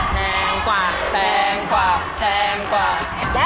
แทงกว่าแทงกว่าแทงกว่าแทงกว่า